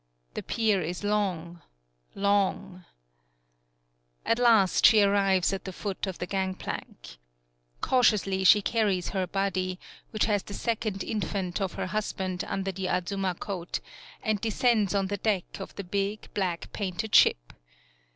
The pier is long long At last she arrives at the foot of the gangplank. Cautiously she carries her 60 THE PIER body, which has the second infant of her husband under the Azuma coat, and descends on the deck of the big, black painted ship.